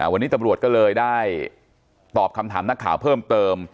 วันนี้ตำรวจก็เลยได้ตอบคำถามนักข่าวเพิ่มเติม